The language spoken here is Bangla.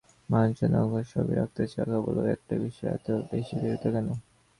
মাল্যচন্দন অঙ্গদকুণ্ডল সবই রাখতে চাও, কেবল ঐ একটা বিষয়ে এত বেশি দৃঢ়তা কেন?